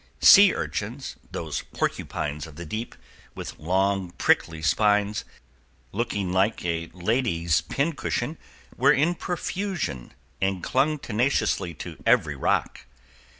Sea urchins, those porcupines of the deep, with long, prickly spines, looking like a lady's pincushion, were in profusion, and clung tenaciously to every rock.